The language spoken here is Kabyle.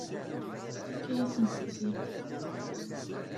Tefka-yasent-t-id.